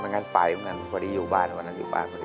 วันนั้นไฟเหมือนกันวันนี้อยู่บ้านวันนั้นอยู่บ้าน